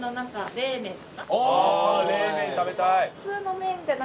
ああ冷麺食べたい。